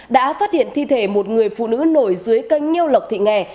đã phát hiện thi thể một người phụ nữ nổi dưới cây nhiêu lọc thị nghè